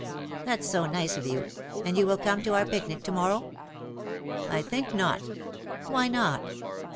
"That's so nice of you; and you will come to our picnic, to morrow T' " I think not/' " Why not